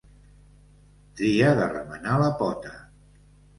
Tria de remenar la pota.